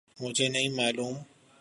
مجھے نہیں معلوم۔